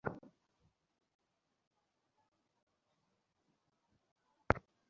Ma'am, জনগণ চায়না আপনি তার সাথে কথা বলেন।